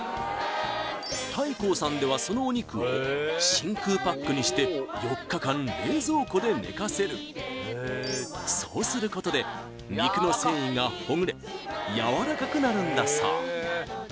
大晃さんではそのお肉を真空パックにして４日間冷蔵庫で寝かせるそうすることで肉の繊維がほぐれやわらかくなるんだそう